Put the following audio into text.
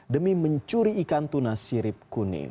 demi mencuri ikan tuna sirip kuning